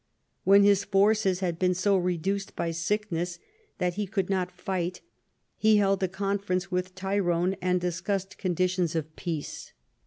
When his forces had been so reduced by sickness that he could not fight, he held a conference with Tyrone and discussed conditions of peace.